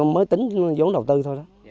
mới tính với dấu đầu tư thôi đó